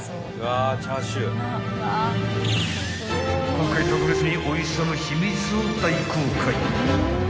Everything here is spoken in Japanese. ［今回特別においしさの秘密を大公開］